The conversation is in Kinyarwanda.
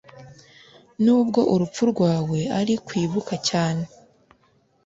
nubwo urupfu rwawe ari kwibuka cyane